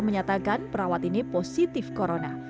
menyatakan perawat ini positif corona